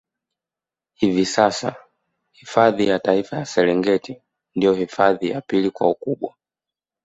Hivi sasa hifadhi ya Taifa ya Serengeti ndio hifadhi ya pili kwa ukubwa